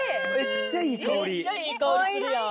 めっちゃいい香りするやん！